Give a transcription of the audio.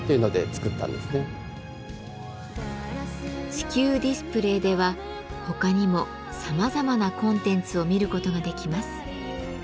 地球ディスプレーでは他にもさまざまなコンテンツを見ることができます。